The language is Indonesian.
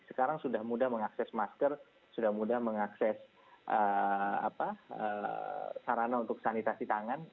sekarang sudah mudah mengakses masker sudah mudah mengakses sarana untuk sanitasi tangan